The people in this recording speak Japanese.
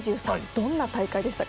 どんな大会でしたか。